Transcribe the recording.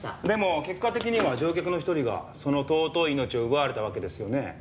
でも結果的には乗客の一人がその尊い命を奪われたわけですよね？